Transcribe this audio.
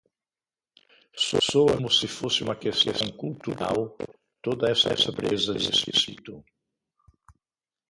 Soa como se fosse uma questão cultural toda essa pobreza de espírito